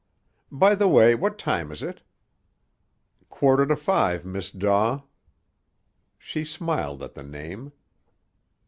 _) "By the way, what time is it?" "Quarter to five, Miss Daw." She smiled at the name.